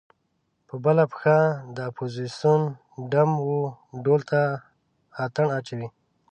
په بله پښه د اپوزیسون ډم و ډول ته اتڼ اچوي.